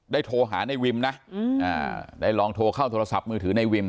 โทรหาในวิมนะได้ลองโทรเข้าโทรศัพท์มือถือในวิม